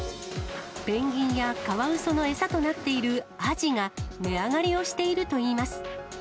ペンギンやカワウソの餌となっているアジが、値上がりをしているといいます。